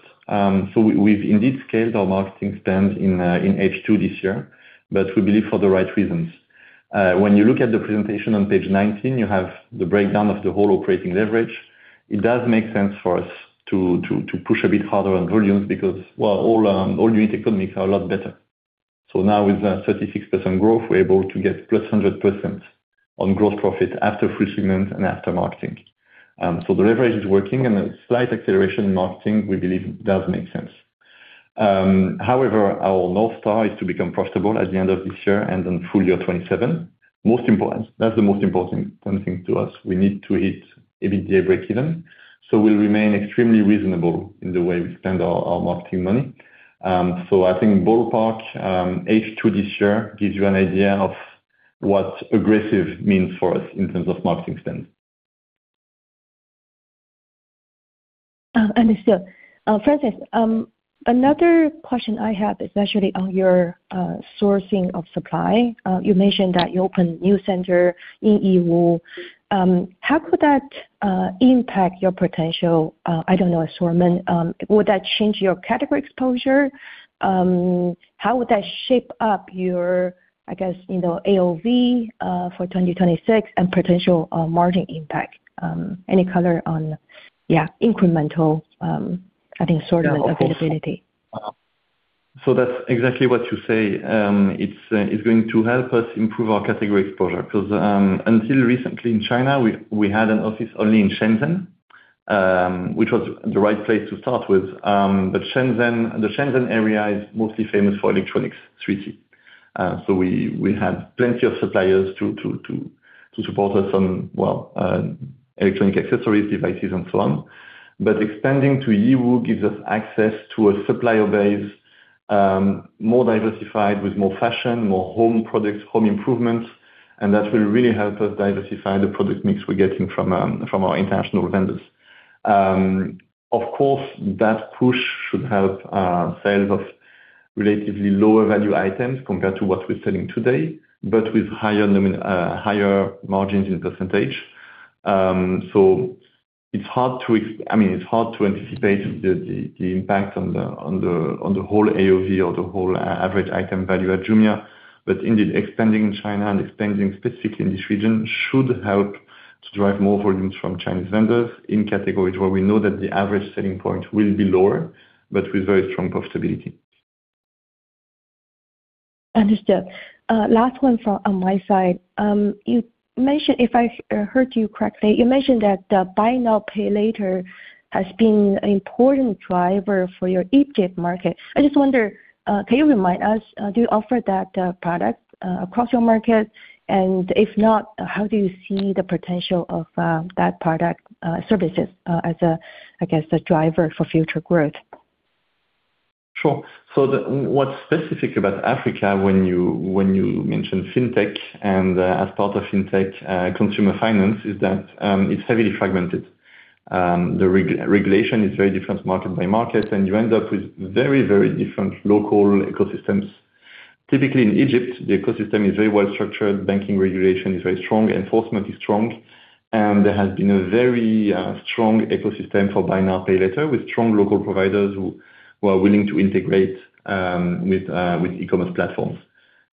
we've indeed scaled our marketing spend in H2 this year, but we believe for the right reasons. When you look at the presentation on page 19, you have the breakdown of the whole operating leverage. It does make sense for us to push a bit harder on volumes because, well, all unit economics are a lot better. So now with 36% growth, we're able to get +100% on gross profit after fulfillment and after marketing. So the leverage is working, and a slight acceleration in marketing, we believe, does make sense. However, our North Star is to become profitable at the end of this year and on full year 2027. That's the most important thing to us. We need to hit a bit of a break-even. So we'll remain extremely reasonable in the way we spend our marketing money. I think ballpark H2 this year gives you an idea of what aggressive means for us in terms of marketing spend. Understood. Francis, another question I have is actually on your sourcing of supply. You mentioned that you opened a new center in Yiwu. How could that impact your potential, I don't know, assortment? Would that change your category exposure? How would that shape up your, I guess, AOV for 2026 and potential margin impact? Any color on, yeah, incremental, I think, assortment availability? So that's exactly what you say. It's going to help us improve our category exposure because until recently in China, we had an office only in Shenzhen, which was the right place to start with. But the Shenzhen area is mostly famous for electronics, 3C. So we have plenty of suppliers to support us on, well, electronic accessories, devices, and so on. But expanding to Yiwu gives us access to a supplier base more diversified with more fashion, more home products, home improvements. And that will really help us diversify the product mix we're getting from our international vendors. Of course, that push should help sales of relatively lower-value items compared to what we're selling today, but with higher margins in percentage. So it's hard to I mean, it's hard to anticipate the impact on the whole AOV or the whole average item value at Jumia. But indeed, expanding in China and expanding specifically in this region should help to drive more volumes from Chinese vendors in categories where we know that the average selling point will be lower but with very strong profitability. Understood. Last one from my side. If I heard you correctly, you mentioned that the buy now, pay later has been an important driver for your Egypt market. I just wonder, can you remind us, do you offer that product across your market? And if not, how do you see the potential of that product services as, I guess, a driver for future growth? Sure. So what's specific about Africa when you mention fintech and as part of fintech, consumer finance, is that it's heavily fragmented. The regulation is very different market by market, and you end up with very, very different local ecosystems. Typically, in Egypt, the ecosystem is very well-structured. Banking regulation is very strong. Enforcement is strong. And there has been a very strong ecosystem for buy now, pay later with strong local providers who are willing to integrate with e-commerce platforms.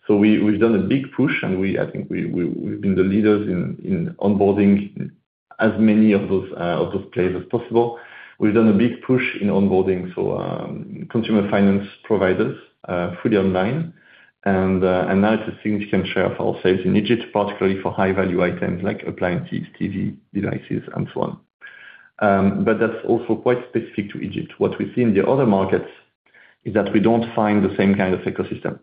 So we've done a big push, and I think we've been the leaders in onboarding as many of those players as possible. We've done a big push in onboarding for consumer finance providers fully online. And now it's a significant share of our sales in Egypt, particularly for high-value items like appliances, TV devices, and so on. But that's also quite specific to Egypt. What we see in the other markets is that we don't find the same kind of ecosystem.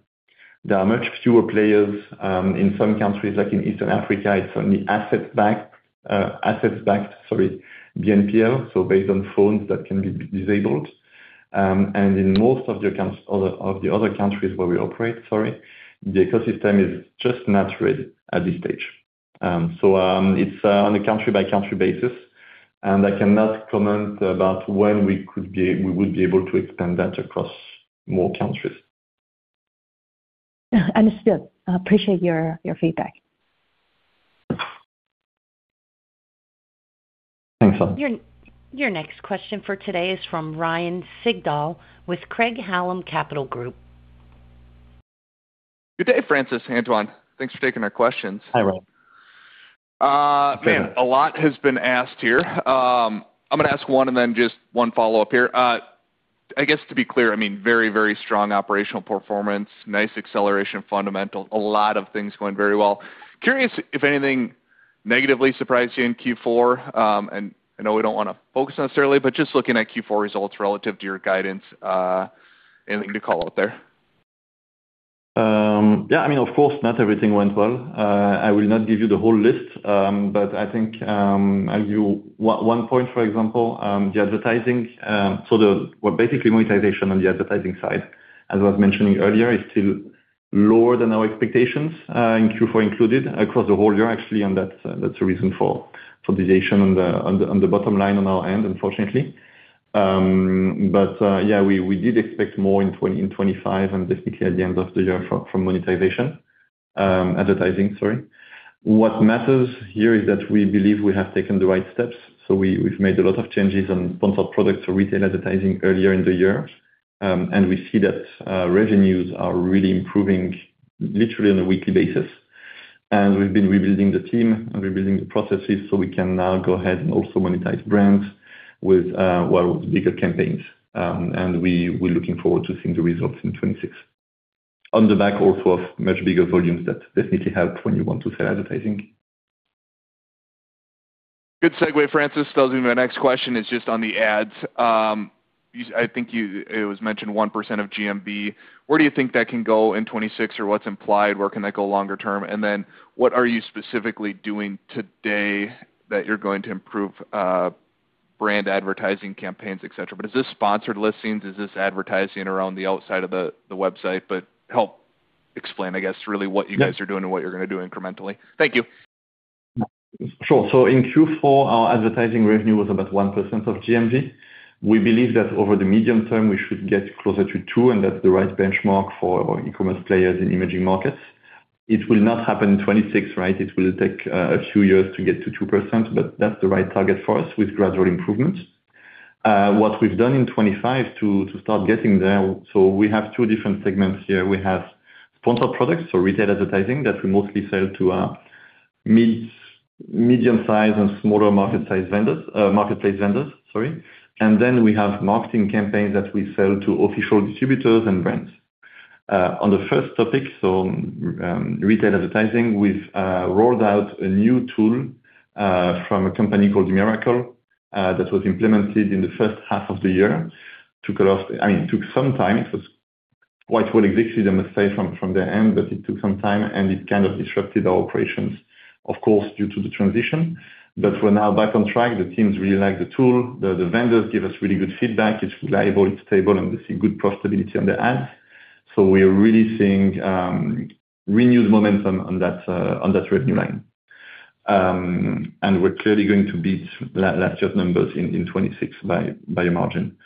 There are much fewer players in some countries. Like in Eastern Africa, it's only asset-backed BNPL, so based on phones that can be disabled. And in most of the other countries where we operate, sorry, the ecosystem is just not ready at this stage. So it's on a country-by-country basis. And I cannot comment about when we would be able to expand that across more countries. Understood. I appreciate your feedback. Thanks, Fawn. Your next question for today is from Ryan Sigdahl with Craig-Hallum Capital Group. Good day, Francis, Antoine. Thanks for taking our questions. Hi, Ryan. Man, a lot has been asked here. I'm going to ask one and then just one follow-up here. I guess to be clear, I mean, very, very strong operational performance, nice acceleration fundamental, a lot of things going very well. Curious if anything negatively surprised you in Q4. And I know we don't want to focus necessarily, but just looking at Q4 results relative to your guidance, anything to call out there? Yeah. I mean, of course, not everything went well. I will not give you the whole list, but I think I'll give you one point, for example, the advertising. So basically, monetization on the advertising side, as I was mentioning earlier, is still lower than our expectations in Q4 included across the whole year, actually. And that's the reason for deviation on the bottom line on our end, unfortunately. But yeah, we did expect more in 2025 and definitely at the end of the year from monetization, advertising, sorry. What matters here is that we believe we have taken the right steps. So we've made a lot of changes on Sponsored Products or retail advertising earlier in the year. And we see that revenues are really improving literally on a weekly basis. We've been rebuilding the team and rebuilding the processes so we can now go ahead and also monetize brands with bigger campaigns. We're looking forward to seeing the results in 2026 on the back also of much bigger volumes that definitely help when you want to sell advertising. Good segue, Francis. That'll be my next question. It's just on the ads. I think it was mentioned 1% of GMV. Where do you think that can go in 2026, or what's implied? Where can that go longer term? And then what are you specifically doing today that you're going to improve brand advertising campaigns, etc.? But is this sponsored listings? Is this advertising around the outside of the website? But help explain, I guess, really what you guys are doing and what you're going to do incrementally. Thank you. Sure. So in Q4, our advertising revenue was about 1% of GMV. We believe that over the medium term, we should get closer to 2%, and that's the right benchmark for e-commerce players in emerging markets. It will not happen in 2026, right? It will take a few years to get to 2%, but that's the right target for us with gradual improvements. What we've done in 2025 to start getting there so we have two different segments here. We have sponsored products, so retail advertising that we mostly sell to medium-size and smaller marketplace vendors, sorry. And then we have marketing campaigns that we sell to official distributors and brands. On the first topic, so retail advertising, we've rolled out a new tool from a company called Mirakl that was implemented in the first half of the year to cut off I mean, it took some time. It was quite well executed, I must say, from their end, but it took some time, and it kind of disrupted our operations, of course, due to the transition. But we're now back on track. The teams really like the tool. The vendors give us really good feedback. It's reliable. It's stable, and they see good profitability on the ads. So we are really seeing renewed momentum on that revenue line. And we're clearly going to beat last year's numbers in 2026 by a margin.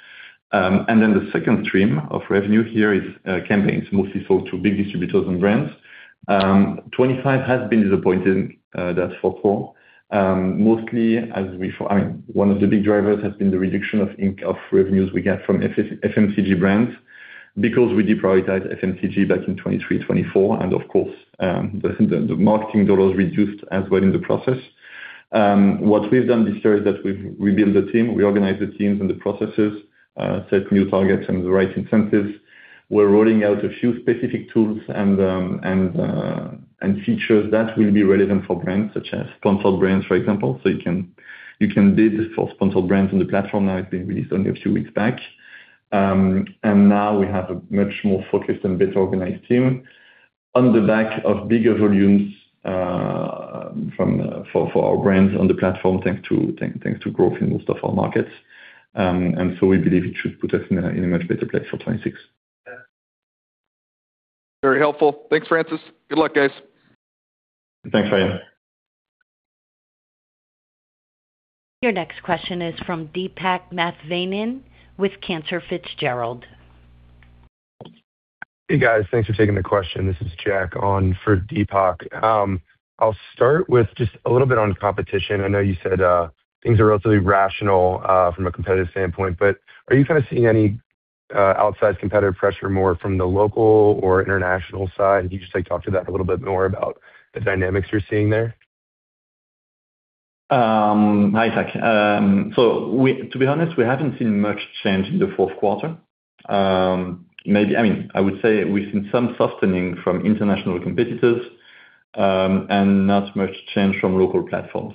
And then the second stream of revenue here is campaigns, mostly sold to big distributors and brands. 2025 has been disappointing, that's for sure. Mostly, as we I mean, one of the big drivers has been the reduction of revenues we get from FMCG brands because we deprioritized FMCG back in 2023, 2024. And of course, the marketing dollars reduced as well in the process. What we've done this year is that we've rebuilt the team. We organized the teams and the processes, set new targets, and the right incentives. We're rolling out a few specific tools and features that will be relevant for brands such as Sponsored Brands, for example. So you can bid for Sponsored Brands on the platform now. It's been released only a few weeks back. And now we have a much more focused and better organized team on the back of bigger volumes for our brands on the platform, thanks to growth in most of our markets. And so we believe it should put us in a much better place for 2026. Very helpful. Thanks, Francis. Good luck, guys. Thanks, Ryan. Your next question is from Deepak Mathivanan with Cantor Fitzgerald. Hey, guys. Thanks for taking the question. This is Jack on for Deepak. I'll start with just a little bit on competition. I know you said things are relatively rational from a competitive standpoint, but are you kind of seeing any outside competitive pressure more from the local or international side? Can you just talk to that a little bit more about the dynamics you're seeing there? Hi, Jack. So to be honest, we haven't seen much change in the fourth quarter. I mean, I would say we've seen some softening from international competitors and not much change from local platforms.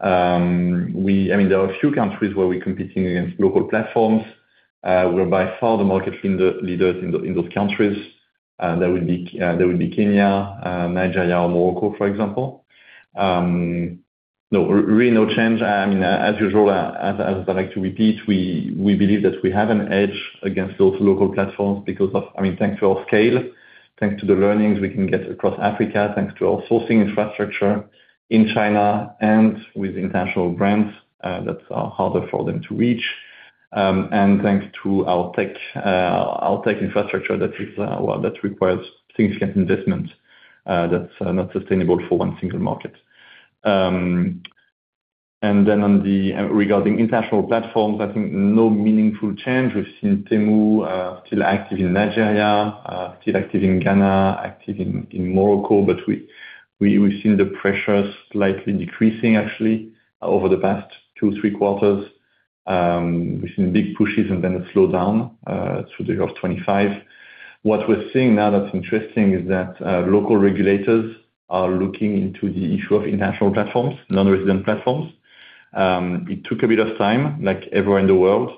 I mean, there are a few countries where we're competing against local platforms. We're by far the market leaders in those countries. That would be Kenya, Nigeria, or Morocco, for example. No, really no change. I mean, as usual, as I like to repeat, we believe that we have an edge against those local platforms because of I mean, thanks to our scale, thanks to the learnings we can get across Africa, thanks to our sourcing infrastructure in China, and with international brands, that's harder for them to reach. And thanks to our tech infrastructure that requires significant investment that's not sustainable for one single market. And then regarding international platforms, I think no meaningful change. We've seen Temu still active in Nigeria, still active in Ghana, active in Morocco. But we've seen the pressure slightly decreasing, actually, over the past two, three quarters. We've seen big pushes and then a slowdown through the year of 2025. What we're seeing now that's interesting is that local regulators are looking into the issue of international platforms, non-resident platforms. It took a bit of time, like everywhere in the world.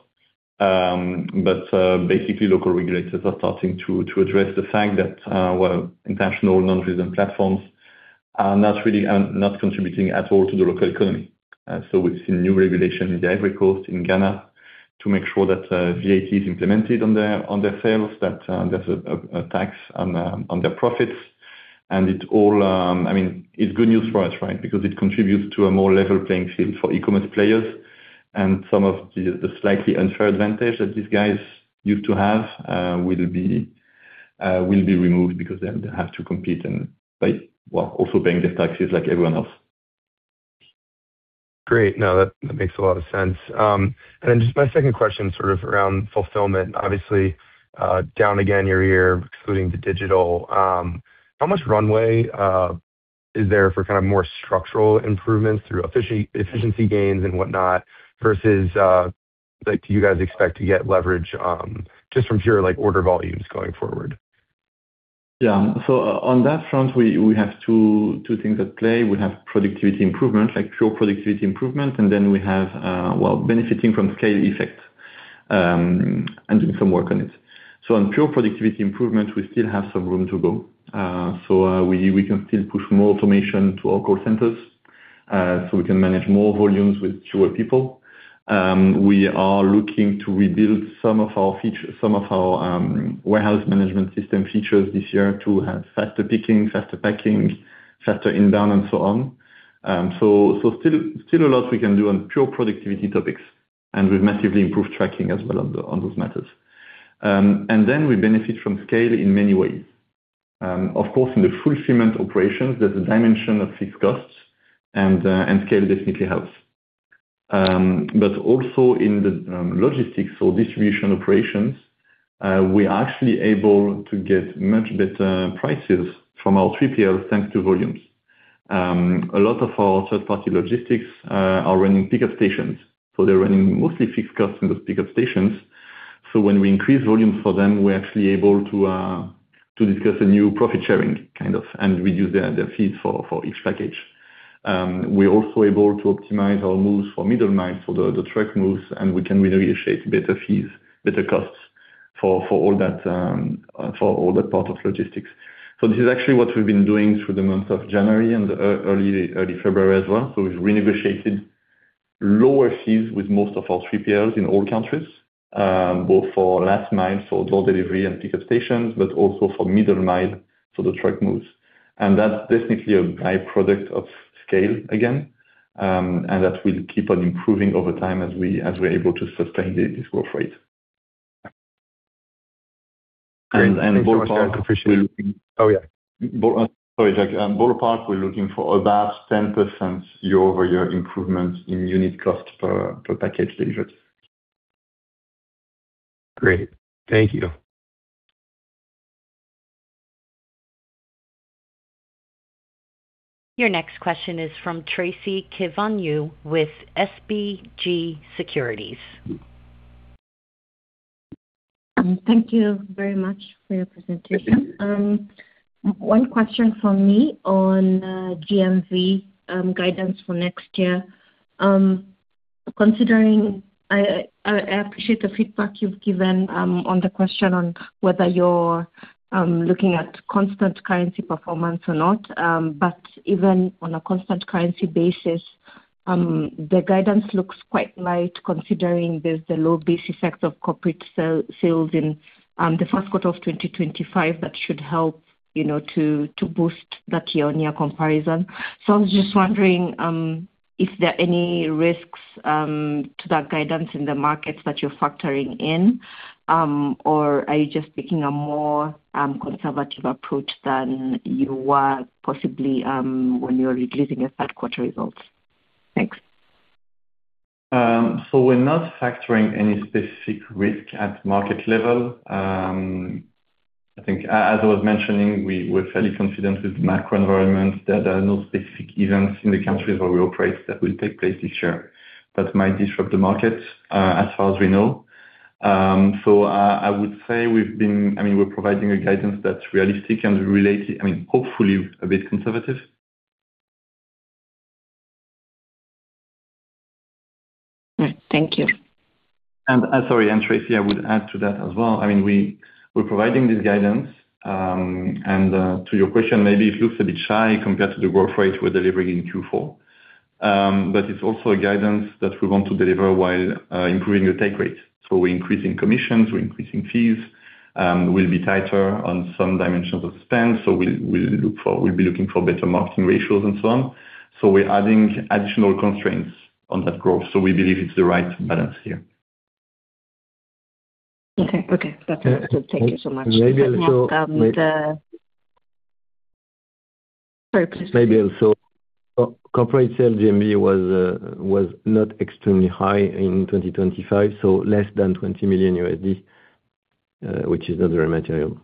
But basically, local regulators are starting to address the fact that, well, international non-resident platforms are not contributing at all to the local economy. So we've seen new regulation in the Ivory Coast, in Ghana, to make sure that VAT is implemented on their sales, that there's a tax on their profits. And I mean, it's good news for us, right, because it contributes to a more level playing field for e-commerce players. Some of the slightly unfair advantage that these guys used to have will be removed because then they'll have to compete and, well, also paying their taxes like everyone else. Great. No, that makes a lot of sense. And then just my second question sort of around fulfillment. Obviously, down again, year-over-year, excluding the digital, how much runway is there for kind of more structural improvements through efficiency gains and whatnot versus do you guys expect to get leverage just from pure order volumes going forward? Yeah. So on that front, we have two things at play. We have productivity improvement, like pure productivity improvement. And then we have, well, benefiting from scale effect and doing some work on it. So on pure productivity improvement, we still have some room to go. So we can still push more automation to our call centers so we can manage more volumes with fewer people. We are looking to rebuild some of our warehouse management system features this year to have faster picking, faster packing, faster inbound, and so on. So still a lot we can do on pure productivity topics. And we've massively improved tracking as well on those matters. And then we benefit from scale in many ways. Of course, in the fulfillment operations, there's a dimension of fixed costs, and scale definitely helps. But also in the logistics or distribution operations, we are actually able to get much better prices from our 3PLs thanks to volumes. A lot of our third-party logistics are running pickup stations. So they're running mostly fixed costs in those pickup stations. So when we increase volumes for them, we're actually able to discuss a new profit sharing kind of and reduce their fees for each package. We're also able to optimize our moves for middle miles, for the truck moves, and we can renegotiate better fees, better costs for all that part of logistics. So this is actually what we've been doing through the month of January and early February as well. So we've renegotiated lower fees with most of our 3PLs in all countries, both for last mile, for door delivery and pickup stations, but also for middle mile, for the truck moves. That's definitely a byproduct of scale, again, and that will keep on improving over time as we're able to sustain this growth rate. And ballpark, we're looking for. Oh, yeah. Sorry, Jack. Ballpark, we're looking for about 10% year-over-year improvement in unit cost per package delivered. Great. Thank you. Your next question is from Tracy Kivunyu with SBG Securities. Thank you very much for your presentation. One question from me on GMV guidance for next year. I appreciate the feedback you've given on the question on whether you're looking at constant currency performance or not. But even on a constant currency basis, the guidance looks quite light considering there's the low base effects of corporate sales in the first quarter of 2025 that should help to boost that year-on-year comparison. So I was just wondering if there are any risks to that guidance in the markets that you're factoring in, or are you just taking a more conservative approach than you were possibly when you were releasing your third-quarter results? Thanks. So we're not factoring any specific risk at market level. I think, as I was mentioning, we're fairly confident with the macro environment. There are no specific events in the countries where we operate that will take place this year that might disrupt the market, as far as we know. So I would say, I mean, we're providing a guidance that's realistic and related, I mean, hopefully a bit conservative. Thank you. And, sorry, and Tracy, I would add to that as well. I mean, we're providing this guidance. To your question, maybe it looks a bit shy compared to the growth rate we're delivering in Q4. But it's also a guidance that we want to deliver while improving the take rate. So we're increasing commissions. We're increasing fees. We'll be tighter on some dimensions of spend. So we'll be looking for better marketing ratios and so on. So we're adding additional constraints on that growth. So we believe it's the right balance here. Okay. Okay. That's helpful. Thank you so much. Sorry, please. Maybe also, corporate sale GMV was not extremely high in 2025, so less than $20 million, which is not very material.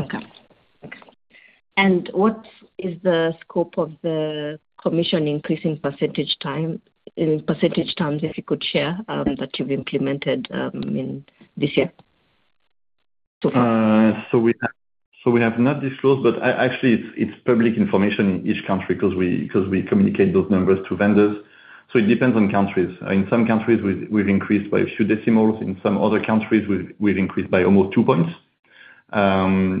Okay. What is the scope of the commission increase in percentage terms, if you could share, that you've implemented this year so far? So we have not disclosed, but actually, it's public information in each country because we communicate those numbers to vendors. So it depends on countries. In some countries, we've increased by a few decimals. In some other countries, we've increased by almost 2 points.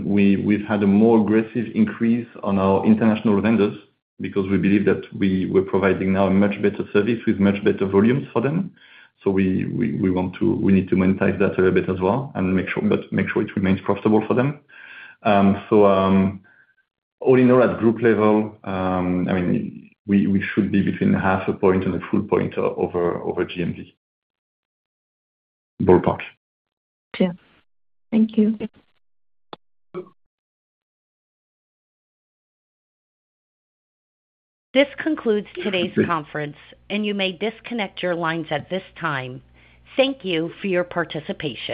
We've had a more aggressive increase on our international vendors because we believe that we're providing now a much better service with much better volumes for them. So we need to monetize that a little bit as well and make sure it remains profitable for them. So all in all, at group level, I mean, we should be between 0.5 point and one point over GMV, ballpark. Yeah. Thank you. This concludes today's conference, and you may disconnect your lines at this time. Thank you for your participation.